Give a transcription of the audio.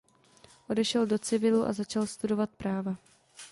Odešel do civilu a začal studovat práva.